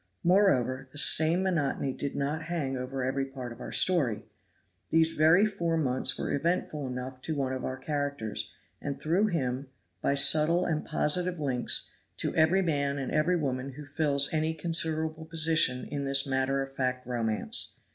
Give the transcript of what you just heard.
Moreover, the same monotony did not hang over every part of our story. These very four months were eventful enough to one of our characters; and through him, by subtle and positive links, to every man and every woman who fills any considerable position in this matter of fact romance.